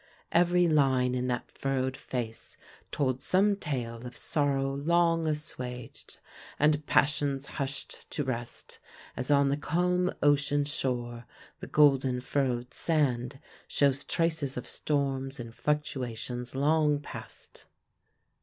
Every line in that furrowed face told some tale of sorrow long assuaged, and passions hushed to rest, as on the calm ocean shore the golden furrowed sand shows traces of storms and fluctuations long past.